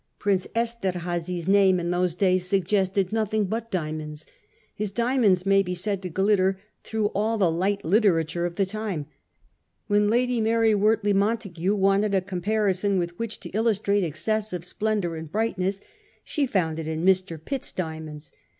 Prince Esterhazy's name in those days suggested nothing but diamonds. His diamonds may be said to glitter through all the light literature of the time. When Lady Mary Wortley Montagu wanted a comparison wdth which to illustrate exces sive splendour and brightness, she found it in 1 Mr. Pitt's diamonds.